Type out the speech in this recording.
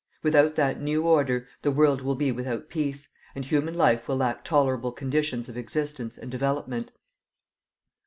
Without that new order the world will be without peace, and human life will lack tolerable conditions of existence and development.